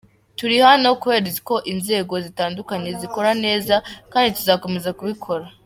Turi hano kubera ko inzego zitandukanye zikora neza kandi tuzakomeza kubikora.